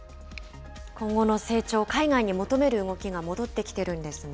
今後の成長を海外に求める動きが戻ってきているんですね。